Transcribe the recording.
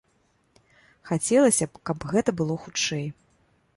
Хацелася б, каб гэта было хутчэй.